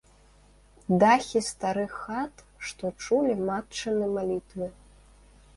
Дахі старых хат, што чулі матчыны малітвы.